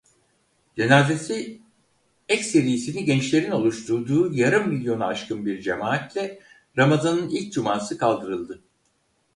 Cenazesi ekserisini gençlerin oluşturduğu yarım milyonu aşkın bir cemaatle Ramazan'ın ilk cuması kaldırıldı.